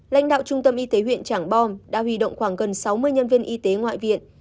lãnh đạo trung tâm y tế huyện trảng bom đã huy động khoảng gần sáu mươi nhân viên y tế ngoại viện